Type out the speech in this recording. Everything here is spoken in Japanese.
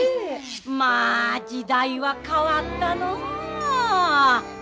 まあ時代は変わったのう。